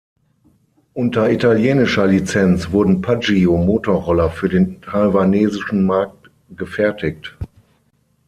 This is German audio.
Unter italienischer Lizenz wurden Piaggio Motorroller für den taiwanesischen Markt gefertigt.